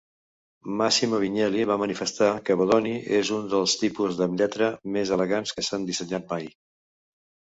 Massimo Vignelli va manifestar que Bodoni és un dels tipus de lletra més elegants que s'han dissenyat mai.